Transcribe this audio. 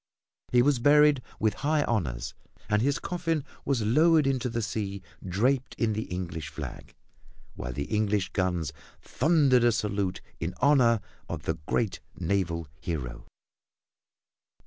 He was buried with high honors, and his coffin was lowered into the sea draped in the English flag, while English guns thundered a salute in honor of the great naval hero.